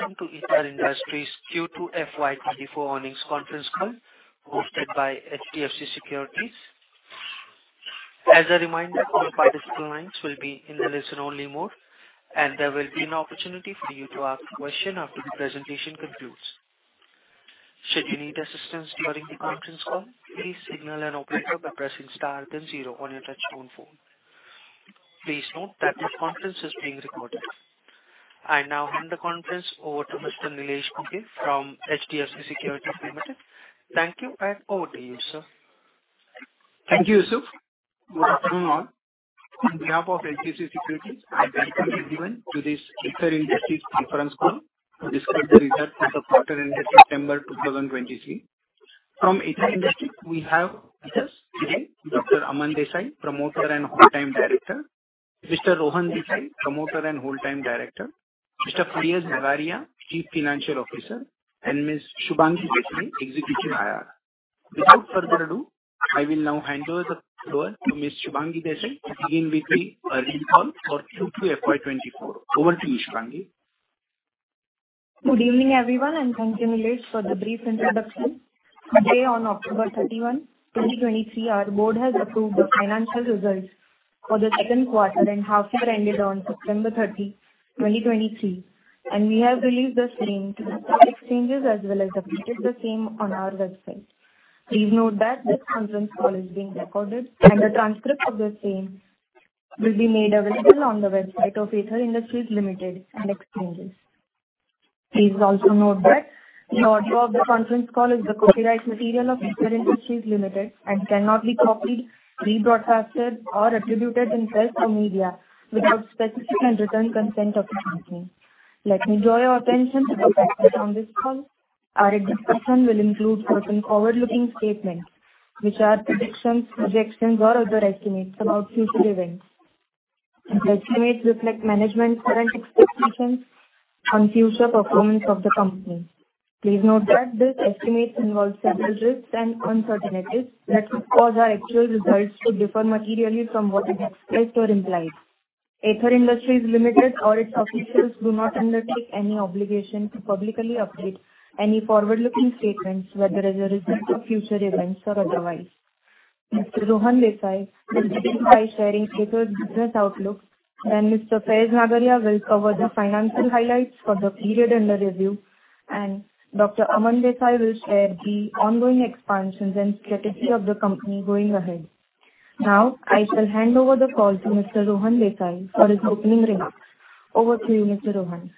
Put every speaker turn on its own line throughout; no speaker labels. Welcome to Aether Industries Q2 FY24 Earnings Conference Call hosted by HDFC Securities. As a reminder, all participant lines will be in the listen-only mode, and there will be an opportunity for you to ask questions after the presentation concludes. Should you need assistance during the conference call, please signal an operator by pressing star then zero on your touchscreen phone. Please note that this conference is being recorded. I now hand the conference over to Mr. Nilesh Ghuge from HDFC Securities Limited. Thank you, and over to you, sir. Thank you, Yusuf. Good afternoon all. On behalf of HDFC Securities, I welcome everyone to this Aether Industries conference call to discuss the results of the quarter ended September 2023. From Aether Industries, we have with us today Dr. Aman Desai, Promoter and Whole-Time Director; Mr. Rohan Desai, Promoter and Whole-Time Director; Mr. Faiz Nagariya, Chief Financial Officer; and Ms. Shubhangi Desai, Executive IR. Without further ado, I will now hand over the floor to Ms. Shubhangi Desai to begin with the earnings call for Q2 FY24. Over to you, Shubhangi.
Good evening, everyone, and thank you, Nilesh, for the brief introduction. Today, on October 31, 2023, our Board has approved the financial results for the Q2, and half year ended on September 30, 2023. We have released the same to the exchanges as well as updated the same on our website. Please note that this conference call is being recorded, and a transcript of the same will be made available on the website of Aether Industries Limited and exchanges. Please also note that the audio of the conference call is the copyright material of Aether Industries Limited and cannot be copied, rebroadcasted, or attributed in press or media without specific and written consent of the Company. Let me draw your attention to the fact on this call. Our discussion will include certain forward-looking statements which are predictions, projections, or other estimates about future events. These estimates reflect management's current expectations on future performance of the Company. Please note that these estimates involve several risks and uncertainties that could cause our actual results to differ materially from what is expressed or implied. Aether Industries Limited or its officials do not undertake any obligation to publicly update any forward-looking statements whether as a result of future events or otherwise. Mr. Rohan Desai will begin by sharing Aether's business outlook. Then Mr. Faiz Nagariya will cover the financial highlights for the period under review and Dr. Aman Desai will share the ongoing expansions and strategy of the Company going ahead. Now, I shall hand over the call to Mr. Rohan Desai for his opening remarks. Over to you, Mr. Rohan.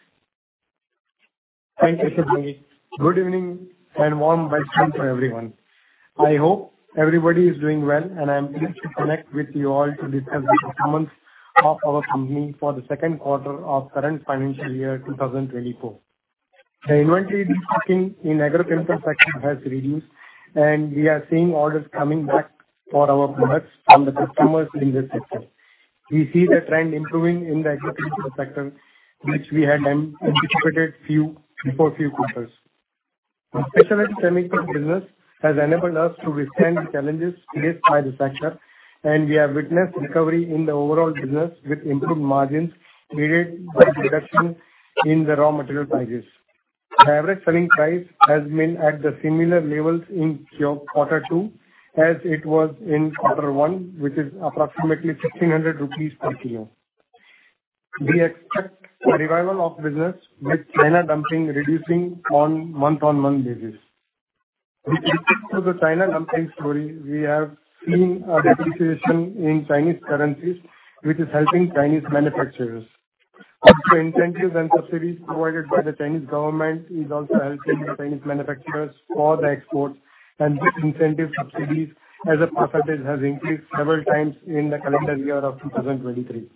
Thank you, Shubhangi. Good evening and warm welcome to everyone. I hope everybody is doing well, and I am pleased to connect with you all to discuss the performance of our company for the Q2 of current Financial Year 2024. The inventory in agrochemical sector has reduced, and we are seeing orders coming back for our products from the customers in this sector. We see the trend improving in the agrochemical sector, which we had anticipated before a few quarters. The specialty chemical business has enabled us to withstand the challenges faced by the sector, and we have witnessed recovery in the overall business with improved margins created by reduction in the raw material prices. The average selling price has been at the similar levels in quarter two as it was in quarter one, which is approximately 1,600 rupees per kilo. We expect a revival of business with China dumping reducing on a month-on-month basis. With respect to the China dumping story, we have seen a depreciation in Chinese currencies, which is helping Chinese manufacturers. Also, incentives and subsidies provided by the Chinese government are also helping Chinese manufacturers for the export, and these incentive subsidies as a percentage have increased several times in the calendar year of 2023.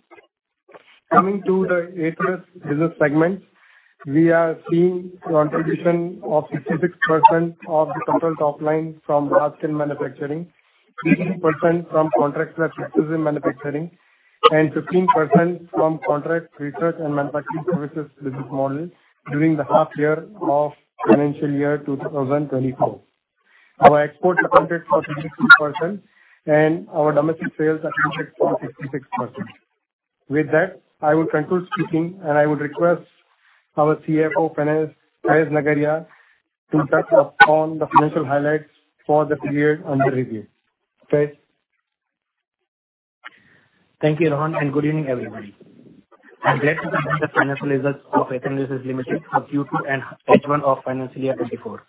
Coming to the Aether's business segment, we are seeing contribution of 66% of the total top line from large-scale manufacturing, 18% from contract/exclusive manufacturing, and 15% from contract research and manufacturing services business model during the half-year of financial year 2024. Our exports accounted for 34%, and our domestic sales accounted for 66%. With that, I will conclude speaking, and I would request our CFO, Faiz Nagariya, to touch upon the financial highlights for the period under review.
Thank you, Rohan, and good evening, everybody. I'm glad to present the Financial Results of Aether Industries Limited for Q2 and H1 of Financial Year 2024.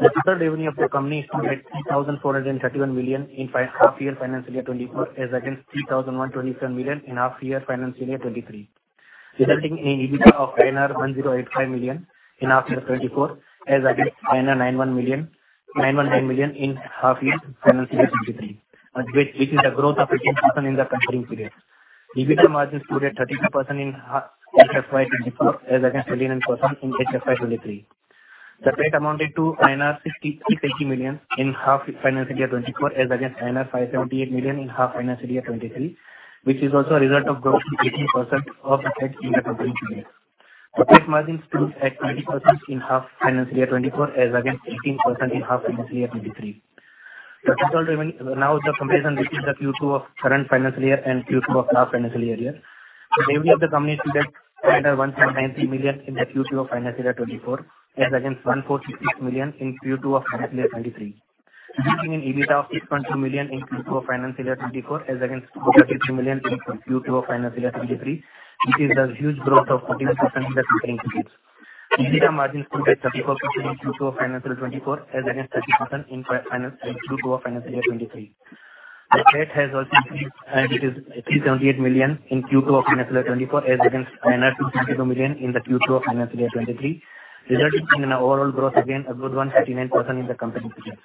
The total revenue of the Company is to be at 3,431 million in half year financial year 2024 as against 3,127 million in half year financial year 2023, resulting in an EBITDA of 1,085 million in half year 2024 as against 919 million in half year financial year 2023, which is a growth of 18% in the comparing period. The EBITDA margin stood to be at 32% in HFY 2024 as against 29% in HFY 2023. The PAT amounted to INR 680 million in half financial year 2024 as against INR 578 million in half financial year 2023, which is also a result of growth of 18% of the PAT in the comparing period. The PAT margin stood at 20% in half financial year 2024 as against 18% in half financial year 2023. Now, the comparison between the Q2 of current financial year and Q2 of last financial year, the revenue of the Company stood at 1,793 million in the Q2 of financial year 2024 as against 1,466 million in Q2 of financial year 2023, resulting in EBITDA of 612 million in Q2 of financial year 2024 as against 433 million in Q2 of financial year 2023, which is a huge growth of 41% in the comparing periods. The EBITDA margin stood at 34% in Q2 of financial year 2024 as against 30% in Q2 of financial year 2023. The PAT has also increased, and it is 378 million in Q2 of financial year 2024 as against 272 million in the Q2 of financial year 2023, resulting in an overall growth again, a good one 39% in the comparing period.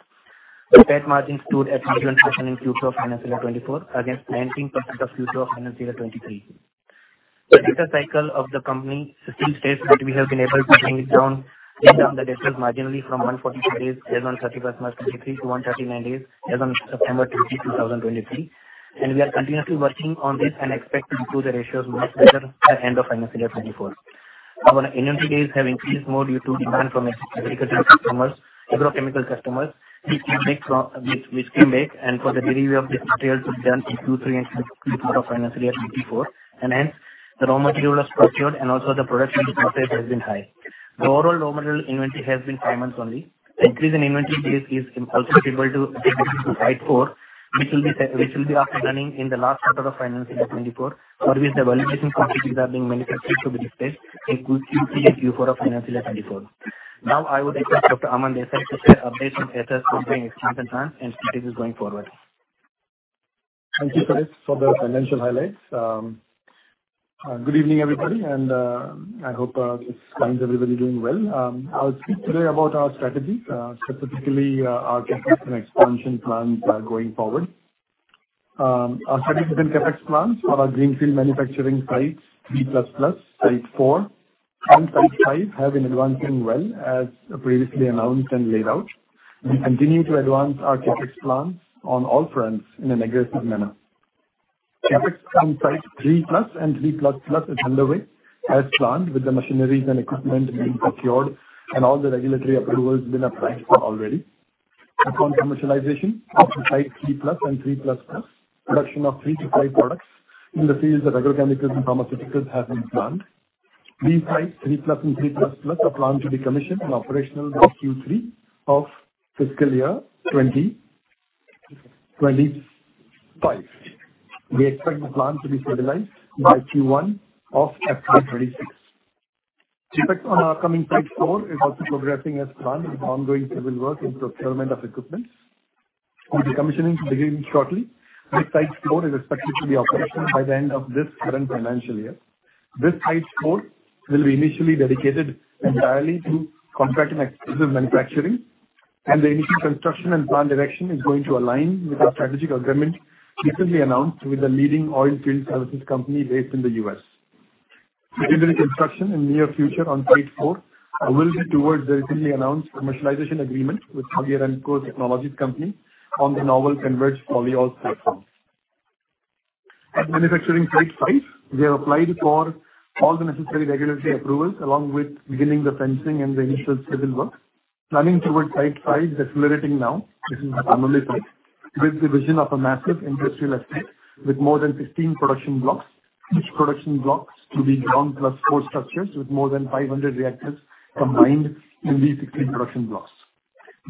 The PAT margins stood at 21% in Q2 of financial year 2024 against 19% of Q2 of financial year 2023. The debtor cycle of the Company still stays but we have been able to bring it down the debtors marginally from 145 days as on 31 March 2023 to 139 days as on September 30, 2023, and we are continuously working on this and expect to improve the ratios much better by the end of financial year 2024. Our inventory days have increased more due to demand from agricultural customers, agrochemical customers, which came back, and for the delivery of these materials to be done in Q3 and Q4 of financial year 2024, and hence, the raw material is procured and also the production process has been high. The overall raw material inventory has been five months only. The increase in inventory days is attribute to Site-IV, which will be up and running in the last quarter of financial year 2024, for which the validation quantities are being manufactured to be dispatched in Q3 and Q4 of financial year 2024. Now, I would request Dr. Aman Desai to share updates on Aether's ongoing expansion plans and strategies going forward.
Thank you, Faiz, for the financial highlights. Good evening, everybody, and I hope this finds everybody doing well. I'll speak today about our strategies, specifically our CAPEX and expansion plans going forward. Our strategies and CAPEX plans for our Greenfield manufacturing Sites 3++, Site-IV, and Site-V have been advancing well as previously announced and laid out. We continue to advance our CAPEX plans on all fronts in an aggressive manner. CAPEX on Site-III+ and 3++ is underway as planned, with the machineries and equipment being secured and all the regulatory approvals being applied for already. Upon commercialization of the Site-III+ and 3++, production of three to five products in the fields of agrochemicals and pharmaceuticals has been planned. These Site-III+ and 3++, are planned to be commissioned and operational by Q3 of fiscal year 2025. We expect the plan to be finalized by Q1 of FY26. CAPEX on our upcoming Site-IV is also progressing as planned with ongoing civil work and procurement of equipment. We'll be commissioning to begin shortly, and Site-IV is expected to be operational by the end of this current financial year. This Site-IV will be initially dedicated entirely to contract and exclusive manufacturing, and the initial construction and plan direction is going to align with our strategic agreement recently announced with the leading oilfield services company based in the U.S. Continuing construction in the near future on Site-IV will be towards the recently announced commercialization agreement with Saudi Aramco Technologies Company on the novel Converge Polyols platform. At manufacturing Site-V, we have applied for all the necessary regulatory approvals along with beginning the fencing and the initial civil work. Planning towards Site-V is accelerating now. This is the Panoli site with the vision of a massive industrial estate with more than 16 production blocks, each production block to be ground +4 structures with more than 500 reactors combined in these 15 production blocks.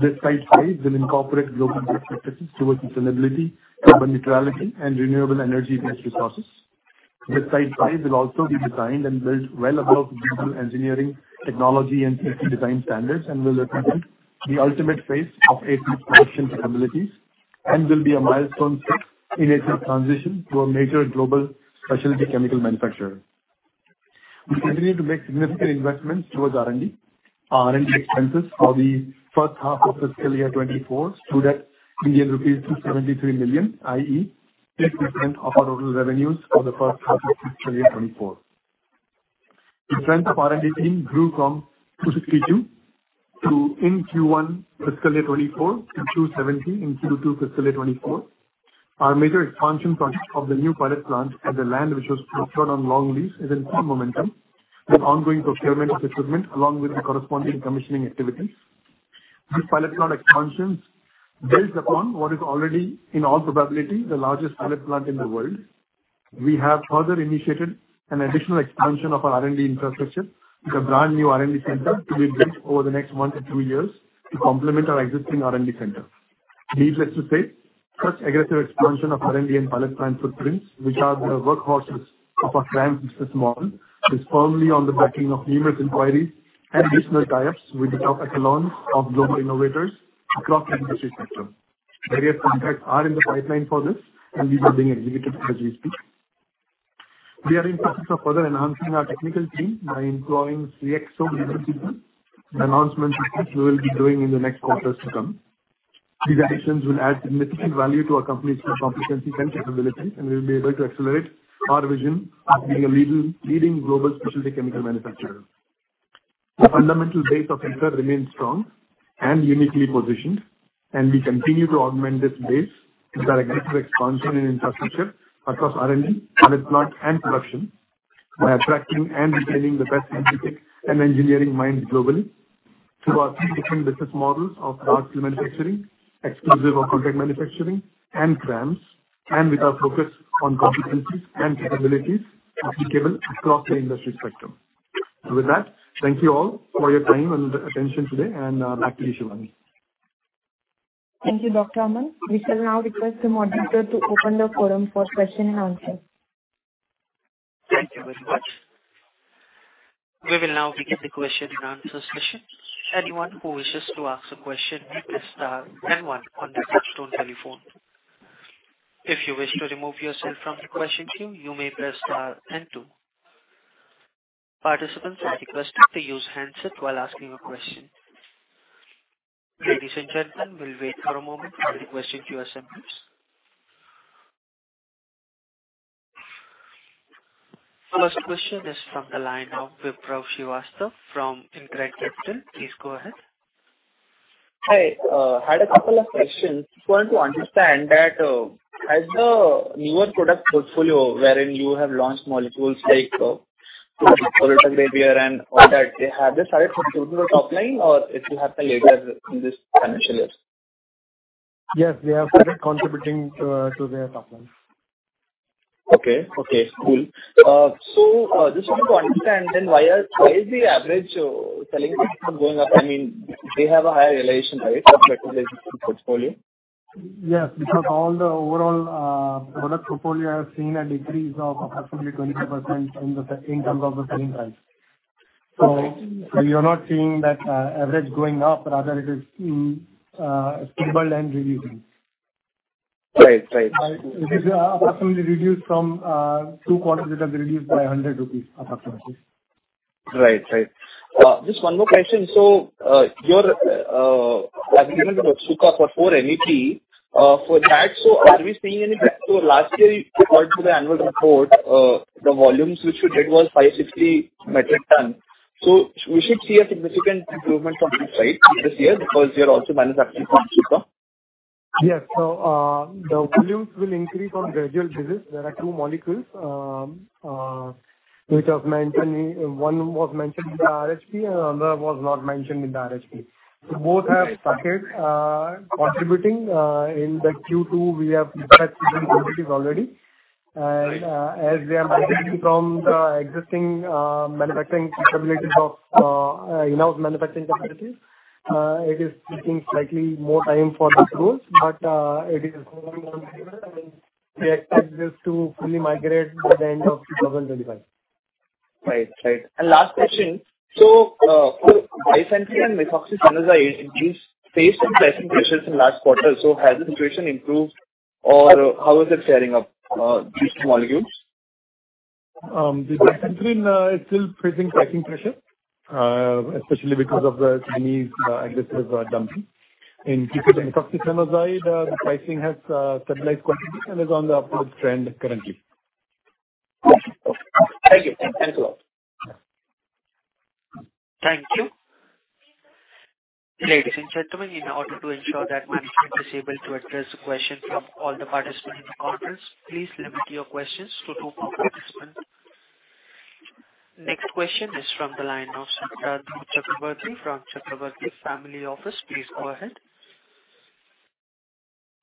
This Site-V will incorporate global grid practices towards sustainability, carbon neutrality, and renewable energy-based resources. This Site-V will also be designed and built well above digital engineering, technology, and safety design standards and will represent the ultimate phase of Aether's production capabilities and will be a milestone step in Aether's transition to a major global specialty chemical manufacturer. We continue to make significant investments towards R&D. Our R&D expenses for the first half of fiscal year 2024 stood at Indian rupees 273 million, i.e., 8% of our total revenues for the first half of fiscal year 2024. The strength of our R&D team grew from 262 in Q1 fiscal year 2024 to 270 in Q2 fiscal year 2024. Our major expansion project of the new pilot plant at the land which was procured on long lease is in full momentum with ongoing procurement of equipment along with the corresponding commissioning activities. This pilot plant expansion builds upon what is already, in all probability, the largest pilot plant in the world. We have further initiated an additional expansion of our R&D infrastructure, the brand-new R&D center, to be built over the next one to two years to complement our existing R&D center. Needless to say, such aggressive expansion of R&D and pilot plant footprints, which are the workhorses of our CRAMS business model, is firmly on the backing of numerous inquiries and additional tie-ups with the top echelons of global innovators across the industry sector. Various contracts are in the pipeline for this, and these are being executed as we speak. We are in process of further enhancing our technical team by employing CXO leadership, the announcements which we will be doing in the next quarters to come. These additions will add significant value to our Company's competency and capabilities, and we will be able to accelerate our vision of being a leading global specialty chemical manufacturer. The fundamental base of Aether remains strong and uniquely positioned, and we continue to augment this base with our aggressive expansion in infrastructure across R&D, pilot plant, and production by attracting and retaining the best logistics and engineering minds globally through our three different business models of large-scale manufacturing, exclusive or contract manufacturing, and CRAMS, and with our focus on competencies and capabilities applicable across the industry spectrum. With that, thank you all for your time and attention today, and back to you, Shubhangi.
Thank you, Dr. Aman. We shall now request the moderator to open the forum for question-and-answer.
Thank you very much. We will now begin the question-and-answer session. Anyone who wishes to ask a question may press star and one on their touch-tone telephone. If you wish to remove yourself from the question queue, you may press star and two. Participants are requested to use handsets while asking a question. Ladies and gentlemen, we'll wait for a moment for the question queue to assemble. First question is from the line of Vipraw Srivastava from InCred Capital. Please go ahead.
Hi. I had a couple of questions. I just wanted to understand that as the newer product portfolio wherein you have launched molecules like Dolutegravir and all that, have they started contributing to the top line, or it will happen later in this financial year?
Yes, we have started contributing to their top line.
Okay. Okay. Cool. So just wanted to understand then why is the average selling going up? I mean, they have a higher realization, right, compared to their portfolio?
Yes, because all the overall product portfolio has seen a decrease of approximately 25% in terms of the selling price. So you're not seeing that average going up, rather it is stable and reducing.
Right. Right.
It is approximately reduced from two quarters. It has reduced by 100 rupees approximately.
Right. Right. Just one more question. So your agreement with Otsuka for 4-MEP. For that, so are we seeing any upside? Last year, according to the annual report, the volumes which you did were 560 metric tons. So we should see a significant improvement from this side this year because you're also manufacturing Otsuka?
Yes. So the volumes will increase on gradual basis. There are two molecules which have mentioned one was mentioned in the RHP, and the other was not mentioned in the RHP. So both have started contributing. In the Q2, we have set some quantities already. And as they are managing from the existing manufacturing capabilities of in-house manufacturing capabilities, it is taking slightly more time for the approvals, but it is moving on this way, and we expect this to fully migrate by the end of 2025.
Right. Right. And last question. So for Bifenthrin and Methoxyfenozide, these faced some pricing pressures in last quarter. So has the situation improved, or how is it faring up these two molecules?
The Bifenthrin is still facing pricing pressure, especially because of the Chinese aggressive dumping. In case of the Methoxyfenozide, the pricing has stabilized quite a bit and is on the upward trend currently.
Thank you. Thanks a lot.
Thank you. Ladies and gentlemen, in order to ensure that management is able to address the questions from all the participants in the conference, please limit your questions to two more participants. Next question is from the line of Satadru Chakraborty from Chakraborty Family Office. Please go ahead.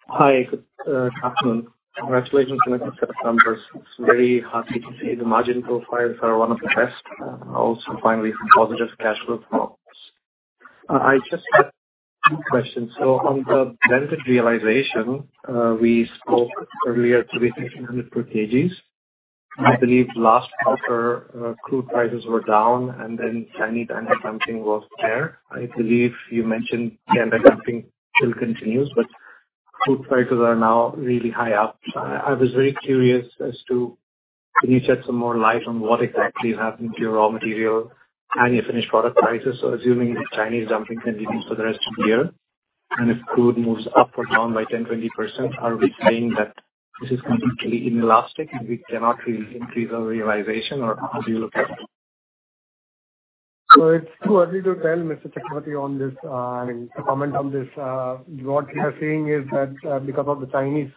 Hi. Good afternoon. Congratulations on the strong numbers. It's very hearty to see the margin profiles are one of the best, and also finally some positive cash flow from operations. I just had two questions. So on the blended realization, we spoke earlier to be 1,600 per kg. I believe last quarter, crude prices were down, and then Chinese anti-dumping was there. I believe you mentioned the anti-dumping still continues, but crude prices are now really high up. So I was very curious as to can you shed some more light on what exactly happened to your raw material and your finished product prices assuming the Chinese dumping continues for the rest of the year? And if crude moves up or down by 10%-20%, are we saying that this is completely inelastic and we cannot really increase our realization, or how do you look at it?
So, it's too early to tell, Mr. Chakraborty, on this I mean, to comment on this. What we are seeing is that because of the Chinese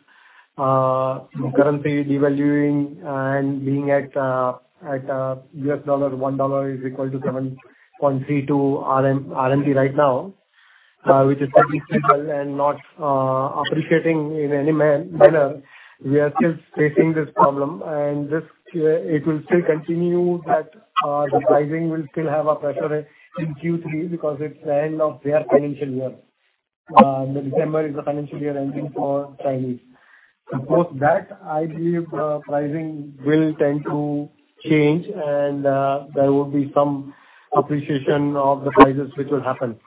currency devaluing and being at US dollars, $1 is equal to 7.32 RMB right now, which is pretty stable and not appreciating in any manner, we are still facing this problem. And it will still continue that the pricing will still have a pressure in Q3 because it's the end of their financial year. December is the financial year ending for Chinese. So, both that, I believe the pricing will tend to change, and there would be some appreciation of the prices, which will happen.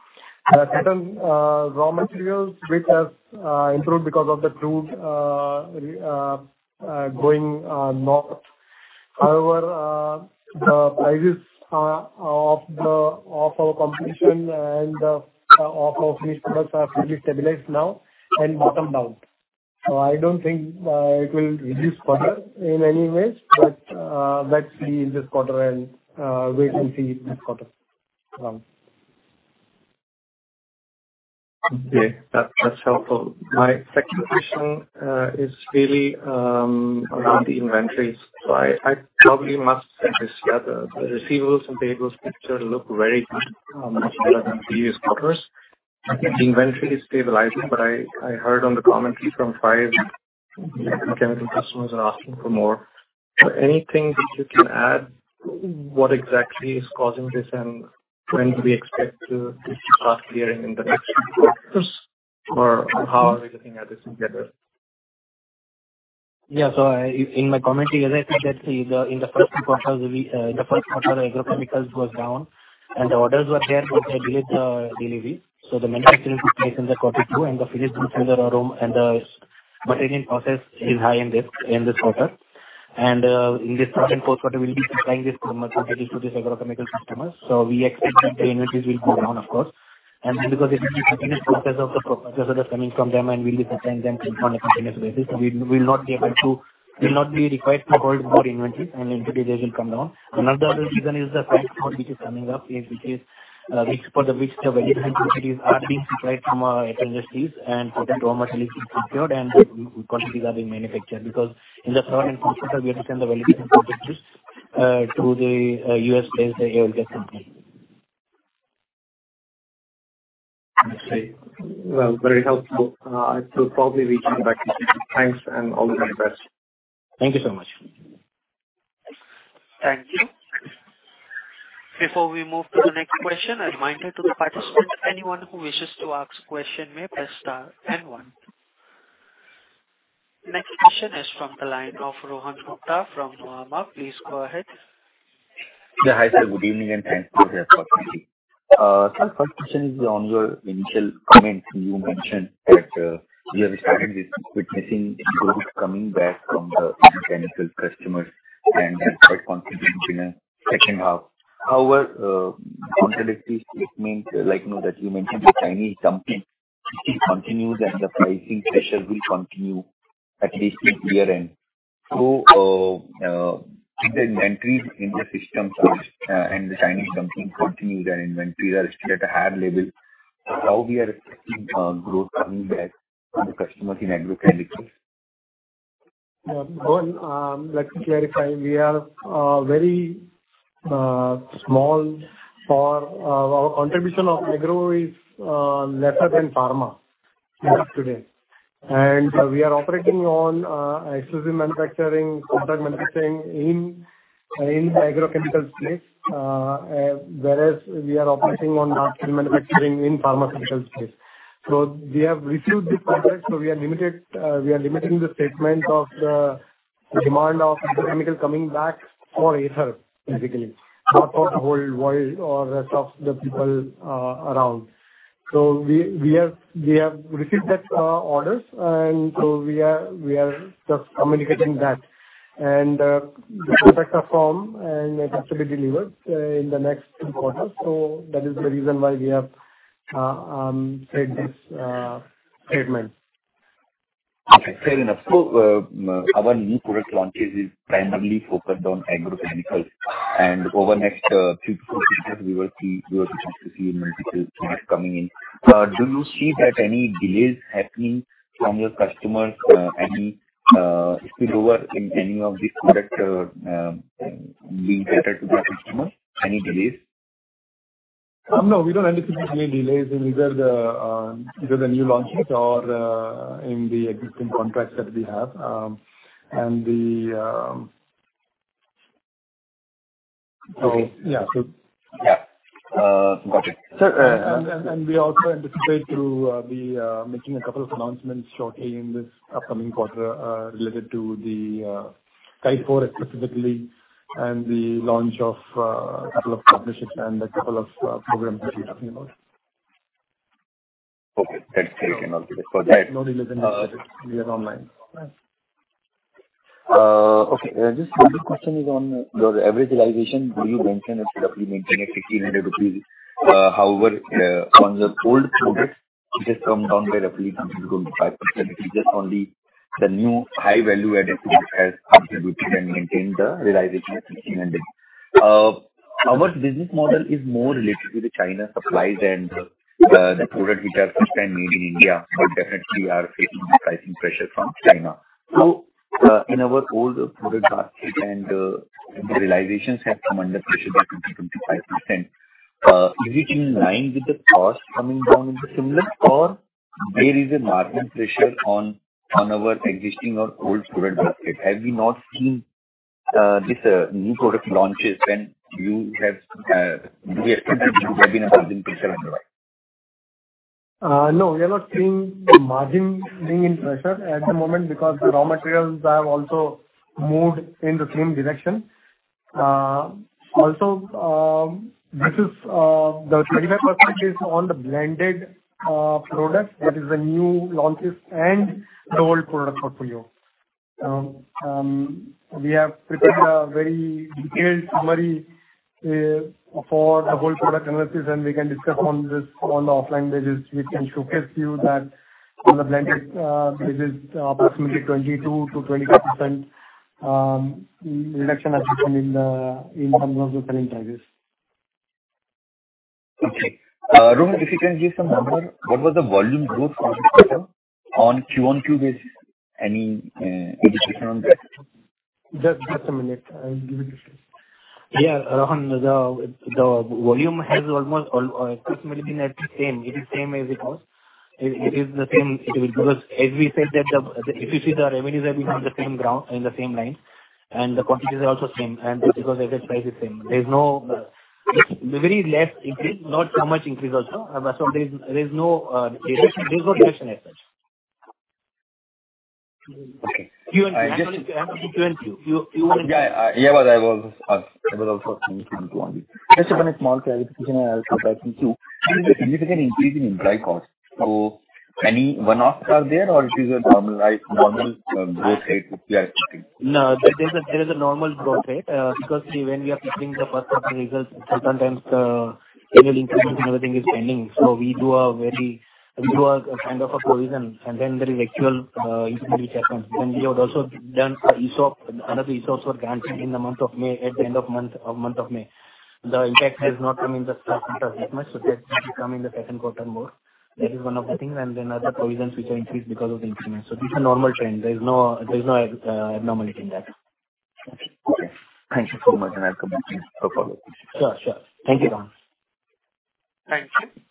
Certain raw materials which have improved because of the crude going North. However, the prices of our competition and of our finished products have really stabilized now and bottomed out. So, I don't think it will reduce further in any way, but let's see in this quarter and wait and see this quarter around.
Okay. That's helpful. My second question is really around the inventories. So I probably must say this, yeah. The receivables and payables picture look very good, much better than previous quarters. I think the inventory is stabilizing, but I heard on the commentary from Fiaz that the agrochemical customers are asking for more. So, anything that you can add? What exactly is causing this, and when do we expect to start clearing in the next two quarters, or how are we looking at this in general?
Yeah. So in my commentary, as I said, let's see. In the first quarters, agrochemicals was down, and the orders were there, but they delayed the delivery. So the manufacturing took place in quarter two, and the finished goods inventory and the raw material process is high in this quarter. And in this Q3 and Q4, we'll be supplying this to these agrochemical customers. So we expect that the inventories will go down, of course. And then because it will be a continuous process of the supplies that are coming from them and we'll be supplying them on a continuous basis, we'll not be required to hold more inventories, and eventually, they will come down. Another reason is the Site-IV which is coming up is for which the validated quantities are being supplied from Aether Industries and potent raw materials being procured and quantities are being manufactured. Because in the Q3 and Q4, we have to send the validation quantities to the US based Oil & Gas Company.
I see. Well, very helpful. I'll probably reach you back in a second. Thanks and all the very best.
Thank you so much.
Thank you. Before we move to the next question, a reminder to the participants. Anyone who wishes to ask a question may press star and one. Next question is from the line of Rohan Gupta from Nuvama. Please go ahead.
Yeah. Hi, sir. Good evening, and thanks for the opportunity. So the first question is on your initial comments. You mentioned that you have started with witnessing growth coming back from the chemical customers and that's what contributed in the second half. However, contradictory statement that you mentioned, the Chinese dumping continues, and the pricing pressure will continue at least this year-end. So, if the inventories in the systems and the Chinese dumping continues and inventories are still at a high level, how are we expecting growth coming back from the customers in agrochemicals?
Yeah. Rohan, let me clarify. We are very small, our contribution of agro is lesser than pharma as of today. And we are operating on exclusive manufacturing, contract manufacturing in the agrochemical space, whereas we are operating on large-scale manufacturing in pharmaceutical space. So we have received this contract, so we are limiting the statement of the demand of agrochemical coming back for Aether, basically, not for the whole world or the rest of the people around. So we have received that orders, and so we are just communicating that. And the contracts are formed, and it has to be delivered in the next two quarters. So that is the reason why we have said this statement.
Okay. Fair enough. So our new product launches is primarily focused on agrochemicals. Over the next three to four quarters, we will be able to see multiple products coming in. Do you see that any delays happening from your customers? Any spillover in any of these products being catered to the customers? Any delays?
No. We don't anticipate any delays in either the new launches or in the existing contracts that we have. And so yeah.
Okay. Yeah. Got it.
We also anticipate through making a couple of announcements shortly in this upcoming quarter related to Site-IV specifically and the launch of a couple of partnerships and a couple of programs that we're talking about.
Okay. That's great. Also just for that.
No delays in that. We are online.
Okay. Just one more question is on your average realization. You mentioned it's roughly maintained at 1,600 rupees. However, on the old product, it has come down by roughly 20%-25%. It is just only the new high value-added product has contributed and maintained the realization at INR 1,600. Our business model is more related to the China supplies and the product which are first-time made in India but definitely are facing pricing pressure from China. So in our old product basket and the realizations have come under pressure by 20%-25%. Is it in line with the cost coming down in the similar, or there is a margin pressure on our existing or old product basket? Have we not seen these new product launches when you have, do you expect that there will be a margin pressure otherwise?
No. We are not seeing margin being in pressure at the moment because the raw materials have also moved in the same direction. Also, the 25% is on the blended product that is the new launches and the old product portfolio. We have prepared a very detailed summary for the whole product analysis, and we can discuss on the offline basis. We can showcase to you that on the blended basis, approximately 22%-25% reduction has happened in terms of the selling prices.
Okay. Rohan, if you can give some number, what was the volume growth on this quarter on QoQ basis? Any indication on that?
Just a minute. I'll give it to you.
Yeah. Rohan, the volume has almost approximately been at the same. It is the same as it was. It is the same because as we said that if you see the revenues have been on the same ground in the same lines, and the quantities are also same, and because every price is same. There's very less increase, not so much increase also. So there's no reduction as such.
Okay.
You want to answer QoQ? QoQ.
Yeah. Yeah. Yeah. Yeah. Yeah. Yeah. Yeah. Yeah. Yeah. Yeah. I was also talking to you on QoQ. Just a small clarification, and I'll go back to Q. There is a significant increase in employee costs. So any one-offs are there, or it is a normal growth rate which we are expecting?
No. There is a normal growth rate because when we are preparing the Q1 results, sometimes the annual increases and everything is pending. So we do a kind of a provision, and then there is actual increment which happens. Then we have also done another ESOPs were granted in the month of May at the end of month of May. The impact has not come in the Q1 as much, so that will come in the Q2 more. That is one of the things. And then other provisions which are increased because of the increment. So this is a normal trend. There is no abnormality in that.
Okay. Okay. Thank you so much, and I'll come back to you for follow-up questions.
Sure. Sure. Thank you, Rohan.
Thank you.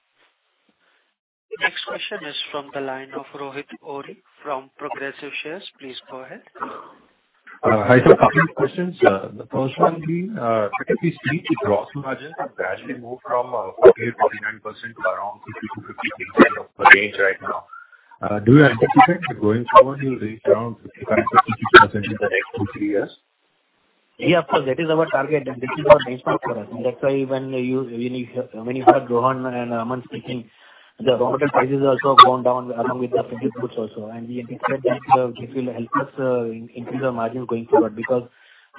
Next question is from the line of Rohit Ohri from Progressive Shares. Please go ahead.
Hi, sir. A couple of questions. The first one would be, could we speak to gross margins that gradually moved from 48%-49% to around 50%-53% of the range right now? Do you anticipate that going forward, you'll reach around 55%-56% in the next 2-3 years?
Yeah. Of course. That is our target, and this is our benchmark for us. And that's why when you heard Rohan and Aman speaking, the raw material prices also have gone down along with the finished goods also. And we anticipate that this will help us increase our margins going forward because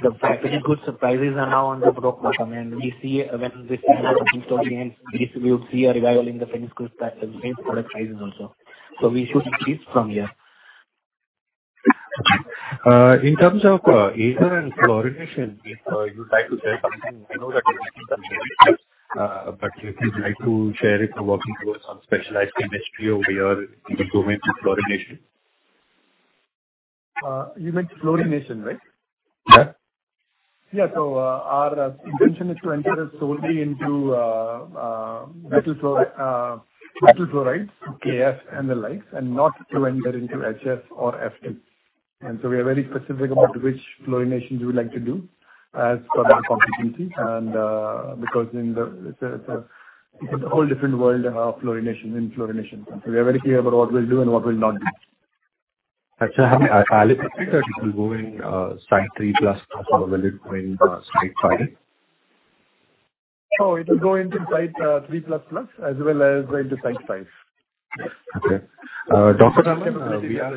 the finished goods prices are now on the bulk market, and when the China dumping story and we would see a revival in the finished product prices also. So we should increase from here.
Okay. In terms of Aether and fluorination, if you'd like to share something, I know that you are taking some baby steps, but if you'd like to share if you're working towards some specialized chemistry over here in this domain for fluorination?
You meant fluorination, right?
Yeah.
Yeah. So our intention is to enter solely into metal fluoride with KF and the likes, and not to enter into HF or F2. And so we are very specific about which fluorinations we would like to do as per our competency because it's a whole different world in fluorination. And so we are very clear about what we'll do and what we'll not do.
Actually, I think that it will go in Site-III++, or will it go in Site-V?
Oh, it will go into Site-III++ as well as into Site-V.
Okay. Dr. Aman, currently we are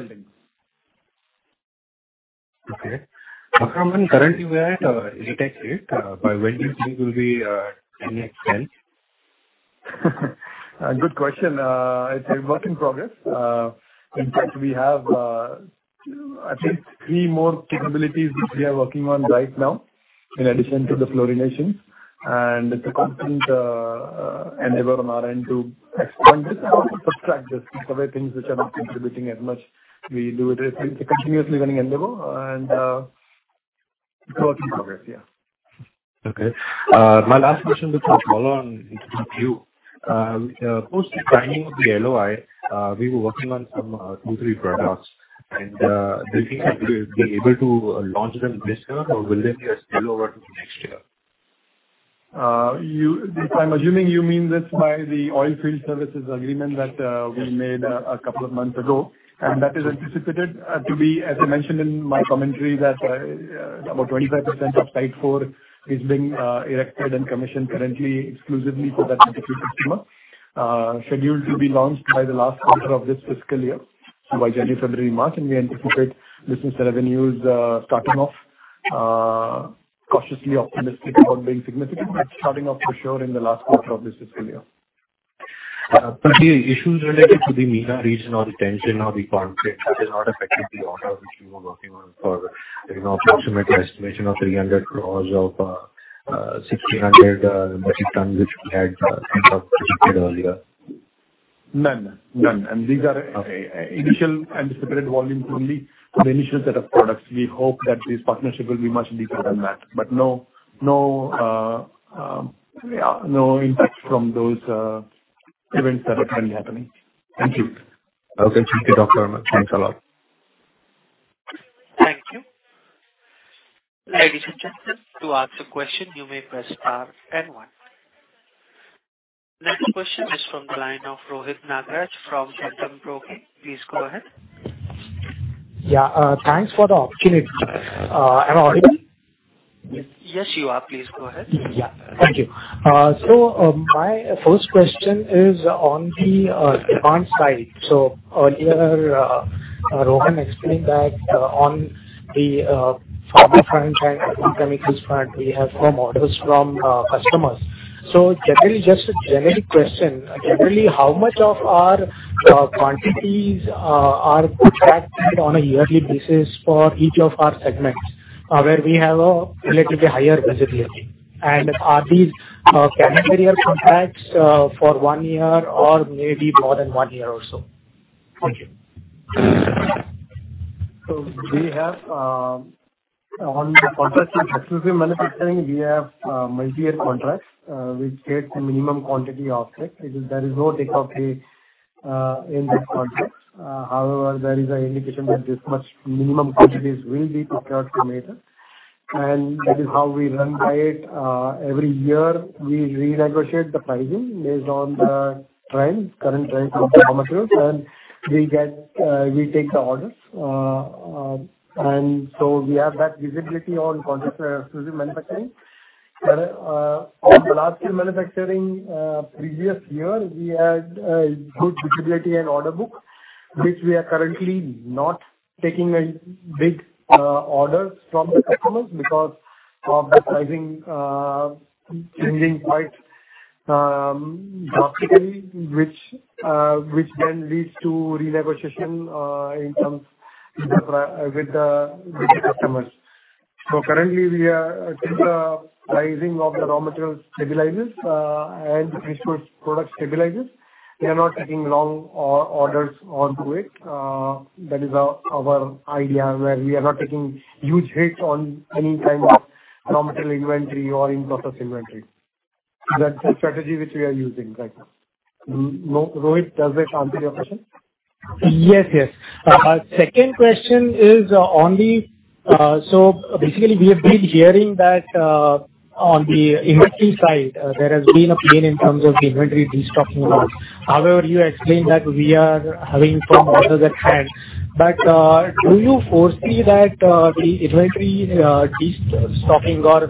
at 8 x 8 by when do you think will be 10 x 10?
Good question. It's a work in progress. In fact, we have at least three more capabilities which we are working on right now in addition to the fluorinations. It's a constant endeavor on our end to expand this and also subtract this. These are the things which are not contributing as much. We do it as a continuously running endeavor, and it's a work in progress, yeah.
Okay. My last question looks much smaller and interests you. Post the signing of the LOI, we were working on some two to three products. And do you think we'll be able to launch them this year, or will they be a spillover to next year?
If I'm assuming, you mean this by the oil field services agreement that we made a couple of months ago. And that is anticipated to be, as I mentioned in my commentary, that about 25% of Site-IV is being erected and commissioned currently exclusively for that particular customer, scheduled to be launched by the last quarter of this fiscal year, so by January, February, March. And we anticipate business revenues starting off cautiously optimistic about being significant, but starting off for sure in the last quarter of this fiscal year.
But the issues related to the MENA region or the tension or the conflict, that has not affected the order which we were working on for an approximate estimation of 300 crore of 1,600 metric tons which we had kind of projected earlier?
None. None. These are initial anticipated volumes only, so the initial set of products. We hope that this partnership will be much deeper than that. But no impact from those events that are currently happening. Thank you.
Okay. Thank you, Dr. Aman. Thanks a lot.
Thank you. Ladies and gentlemen, to answer questions, you may press star and one. Next question is from the line of Rohit Nagraj from Centrum Broking. Please go ahead.
Yeah. Thanks for the opportunity. Am I audible?
Yes, you are. Please go ahead.
Yeah. Thank you. So my first question is on the demand side. So earlier, Rohan explained that on the pharma front and agrochemicals front, we have firm orders from customers. So generally just a generic question, generally, how much of our quantities are contracted on a yearly basis for each of our segments where we have a relatively higher visibility? And are these calendar year contracts for one year or maybe more than one year or so? Thank you.
So on the contract exclusive manufacturing, we have multi-year contracts which create a minimum quantity of it. There is no take off pay in that contract. However, there is an indication that this much minimum quantities will be prepared from Aether. And that is how we run by it. Every year, we renegotiate the pricing based on the current trends of the raw materials, and we take the orders. And so, we have that visibility on contract exclusive manufacturing. But on the large-scale manufacturing, previous year, we had good visibility and order books, which we are currently not taking big orders from the customers because of the pricing changing quite drastically, which then leads to renegotiation with the customers. So currently, until the pricing of the raw materials stabilizes and the finished product stabilizes, we are not taking long orders onto it. That is our idea where we are not taking huge hits on any kind of raw material inventory or in-process inventory. That's the strategy which we are using right now. Rohit, does that answer your question?
Yes. Yes. Second question is only so basically, we have been hearing that on the industry side, there has been a pain in terms of the inventory destocking and all. However, you explained that we are having some orders at hand. But do you foresee that the inventory destocking or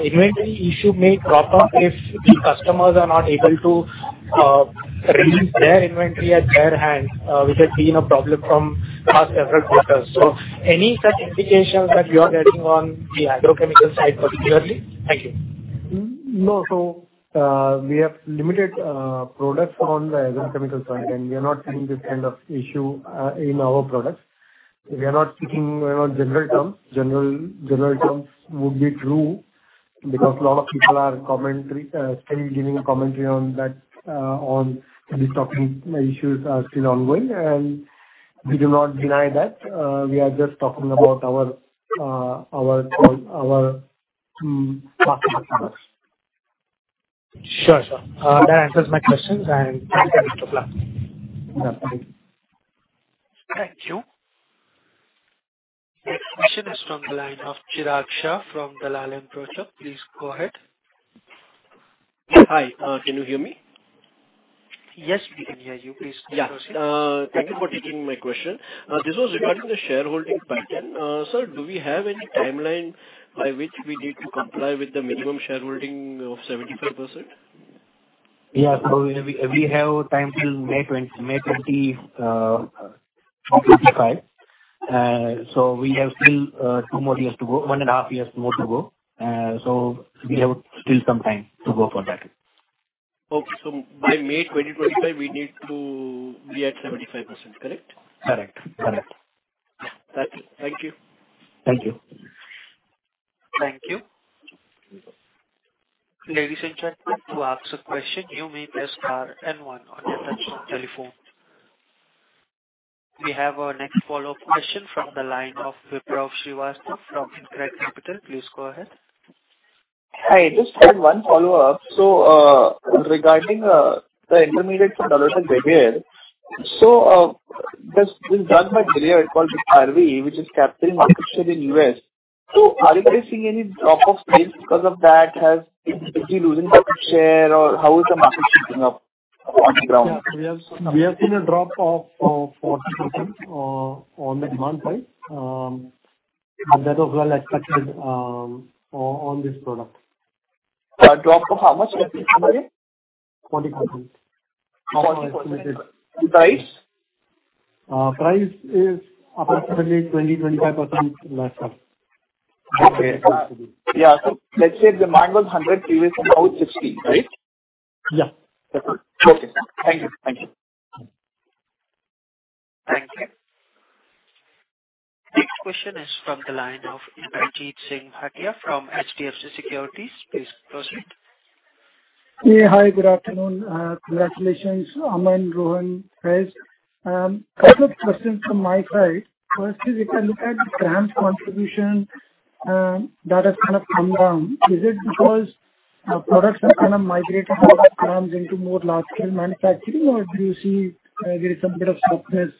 inventory issue may crop up if the customers are not able to release their inventory at their hands, which has been a problem from past several quarters? So any such indications that you are getting on the agrochemical side particularly? Thank you.
No. So we have limited products on the agrochemical side, and we are not seeing this kind of issue in our products. We are not speaking in general terms. General terms would be true because a lot of people are still giving commentary on that the destocking issues are still ongoing. We do not deny that. We are just talking about our basket of products.
Sure. Sure. That answers my questions. And thank you.
Thank you.
Thank you. Next question is from the line of Chirag Shah from the White Pine Investment Management. Please go ahead.
Hi. Can you hear me?
Yes, we can hear you. Please proceed.
Yeah. Thank you for taking my question. This was regarding the shareholding pattern. Sir, do we have any timeline by which we need to comply with the minimum shareholding of 75%?
Yeah. So we have time till May 2025. So we have still two more years to go, 1.5 years more to go. So we have still some time to go for that.
Okay. So by May 2025, we need to be at 75%, correct?
Correct. Correct.
Thank you.
Thank you.
Thank you. Ladies and gentlemen, to answer questions, you may press star and one on your touchscreen telephone. We have our next follow-up question from the line of Vipraw Srivastava from InCred Capital. Please go ahead.
Hi. Just had one follow-up. So regarding the intermediate from Dolutegravir, so this drug by Gilead called BIKTARVY which is capturing market share in the U.S., so are you guys seeing any drop off sales because of that has repeatedly losing market share, or how is the market shaping up on the ground?
Yeah. We have seen a drop of 40% on the demand side, but that was well expected on this product.
A drop of how much?
40%.
How much is limited?
Price is approximately 20%-25% lesser.
Okay. Yeah. So let's say demand was 100 previously, now it's 60, right?
Yeah.
Okay. Thank you.
Thank you.
Thank you. Next question is from the line of Inderjeet Singh Bhatia from HDFC Securities. Please proceed.
Yeah. Hi. Good afternoon. Congratulations, Aman, Rohan, Faiz. A couple of questions from my side. First is if I look at the CRAMS contribution, that has kind of come down. Is it because products have kind of migrated out of CRAMS into more large-scale manufacturing, or do you see there is some bit of softness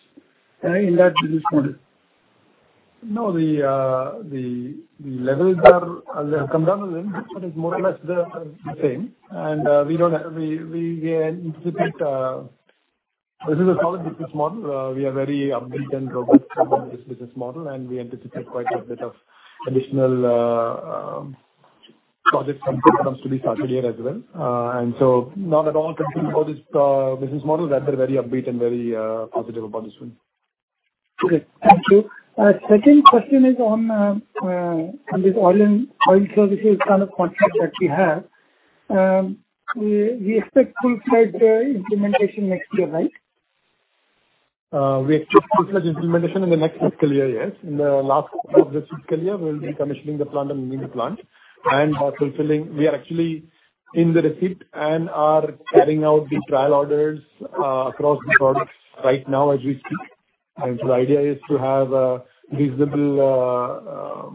in that business model?
No, the levels have come down a little. It's more or less the same. And we anticipate this is a solid business model. We are very upbeat and robust in this business model, and we anticipate quite a bit of additional projects when it comes to this thereafter as well. And so, not at all concerned about this business model, rather very upbeat and very positive about this one.
Okay. Thank you. Second question is on this oil services kind of contract that we have. We expect full-fledged implementation next year, right?
We expect full-fledged implementation in the next fiscal year, yes. In the last quarter of this fiscal year, we'll be commissioning the plant and moving the plant. And we are actually in the receipt and are carrying out the trial orders across the products right now as we speak. And so the idea is to have reasonable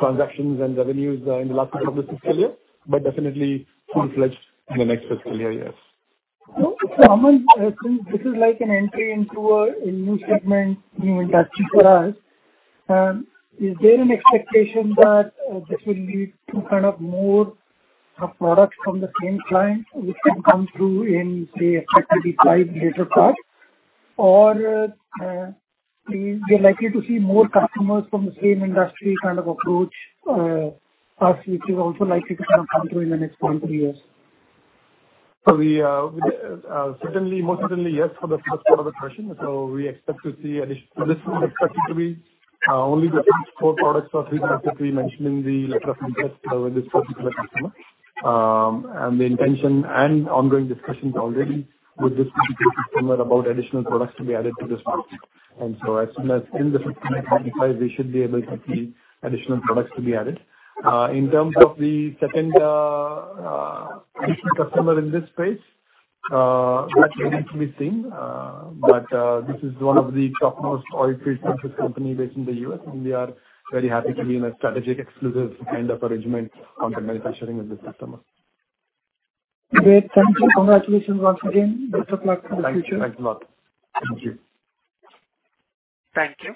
transactions and revenues in the last quarter of this fiscal year, but definitely full-fledged in the next fiscal year, yes.
S,o Aman, since this is an entry into a new segment, new industry for us, is there an expectation that this will lead to kind of more products from the same client which can come through in, say, FY25 later part? Or are you likely to see more customers from the same industry kind of approach us, which is also likely to kind of come through in the next one to two years?
Certainly, most certainly, yes for the part of the question. So we expect to see additional this is expected to be only the first four products or three products that we mentioned in the letter of interest with this particular customer. And the intention and ongoing discussions already with this particular customer about additional products to be added to this market. And so as soon as in the fiscal year 2025, we should be able to see additional products to be added. In terms of the second additional customer in this space, that remains to be seen. But this is one of the topmost oil field services companies based in the U.S., and we are very happy to be in a strategic exclusive kind of arrangement on the manufacturing with this customer.
Great. Thank you. Congratulations once again for the future.
Thanks a lot. Thank you.
Thank you.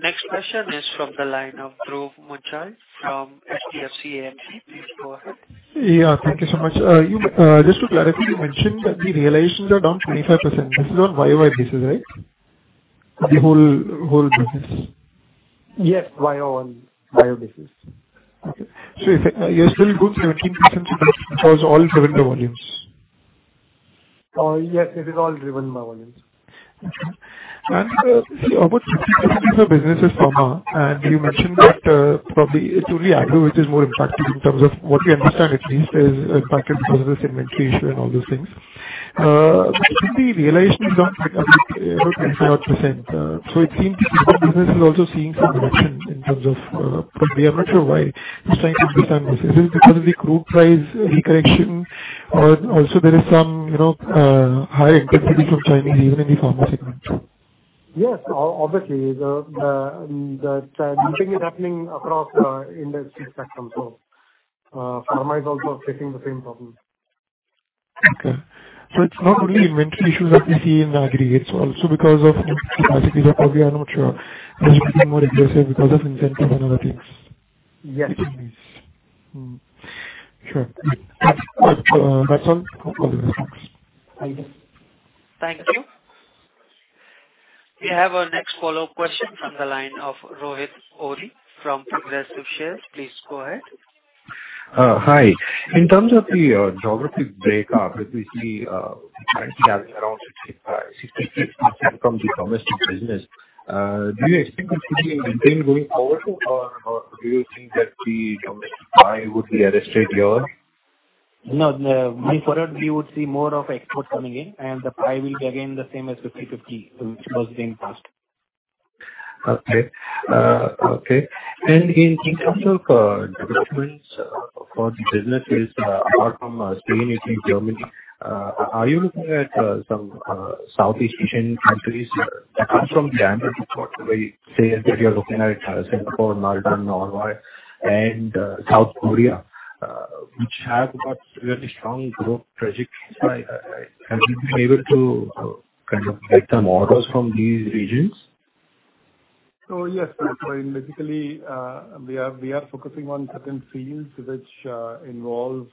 Next question is from the line of Dhruv Muchhal from HDFC AMC. Please go ahead.
Yeah. Thank you so much. Just to clarify, you mentioned that the realizations are down 25%. This is on YoY basis, right? The whole business?
Yes. YoY basis.
Okay. So you're still good 17% because all driven by volumes?
Yes. It is all driven by volumes.
Okay. And about 50% of your business is pharma, and you mentioned that probably it's only agro which is more impacted in terms of what we understand, at least, is impacted because of this inventory issue and all those things. But the realizations are down quite a bit, about 25%. So it seems the business is also seeing some reduction in terms of probably I'm not sure why. I'm just trying to understand this. Is it because of the crude price recorrection, or also there is some higher intensity from Chinese even in the pharma segment?
Yes. Obviously, the shifting is happening across the industry spectrum, so pharma is also facing the same problem.
Okay. So it's not only inventory issues that we see in the agri, it is because if new capacities are probably, I'm not sure. It has been getting more aggressive because of incentives and other things with Chinese.
Yes.
That's all. All the best. Thanks.
Thank you. We have our next follow-up question from the line of Rohit Ohri from Progressive Shares. Please go ahead.
Hi. In terms of the geographic breakup, which we see currently having around 66% from the domestic business, do you expect it to be maintained going forward, or do you think that the domestic pie would be arrested here?
No. Going forward, we would see more of exports coming in, and the pie will be, again, the same as 50/50, which was the same past.
Okay. Okay. And in terms of developments for the businesses apart from Spain, Italy, Germany, are you looking at some Southeast Asian countries that come from the annual report where you say that you're looking at Singapore, Malta, Norway, and South Korea, which have got really strong growth trajectories. Have you been able to kind of get some orders from these regions?
Oh, yes. Basically, we are focusing on certain fields which involve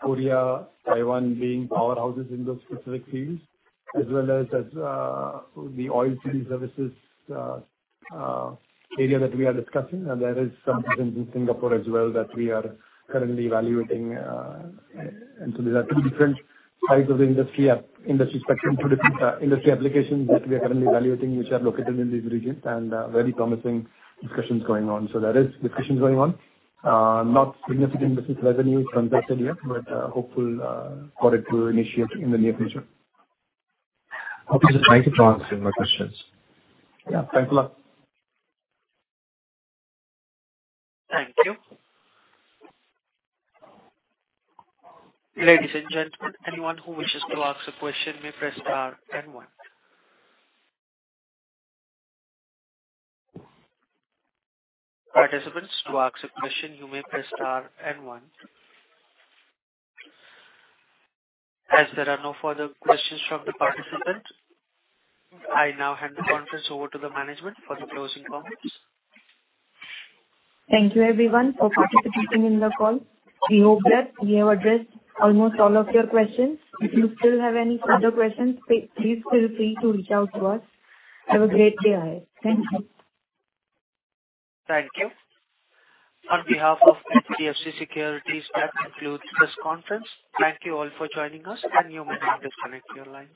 Korea, Taiwan being powerhouses in those specific fields, as well as the oil field services area that we are discussing. There is some presence in Singapore as well that we are currently evaluating. So there are two different sides of the industry spectrum, two different industry applications that we are currently evaluating, which are located in these regions and very promising discussions going on. There are discussions going on, not significant business revenue transacted yet, but hopeful for it to initiate in the near future.
Okay. Thank you for answering my questions.
Yeah. Thanks a lot.
Thank you. Ladies and gentlemen, anyone who wishes to ask a question may press star and one. Participants, to ask a question, you may press star and one. As there are no further questions from the participants, I now hand the conference over to the management for the closing comments.
Thank you, everyone, for participating in the call. We hope that we have addressed almost all of your questions. If you still have any further questions, please feel free to reach out to us. Have a great day ahead. Thank you.
Thank you. On behalf of HDFC Securities, that concludes this conference. Thank you all for joining us, and you may now disconnect your line.